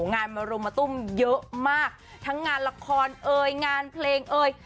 งานมารุมมาตุ้มเยอะมากทั้งงานละครเอ่ยงานเพลงเอ่ย